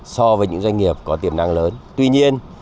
so với những doanh nghiệp có tiềm năng lớn